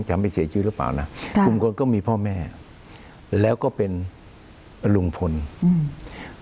จะไม่เสียชีวิตหรือเปล่าล่ะค่ะลุงพลก็มีพ่อแม่แล้วก็เป็นลุงพลอืม